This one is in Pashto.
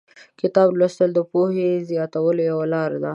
د کتاب لوستل د پوهې زیاتولو یوه لاره ده.